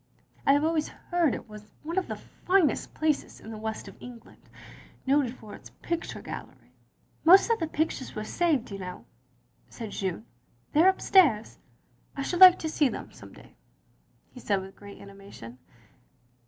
"I have always heard it was one of the finest places in the West of England, noted for its picture gallery. " "Most of the pictures were saved, you know," said Jeanne. "They are upstairs." " I should like to see them some day, " he said with great animation.